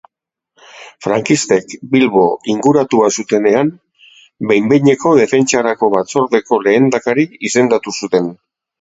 Frankistek Bilbo inguratua zutenean, behin-behineko Defentsarako Batzordeko lehendakari izendatu zuten.